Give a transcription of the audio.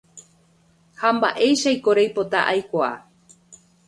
Ha mba'éichaiko reipota aikuaa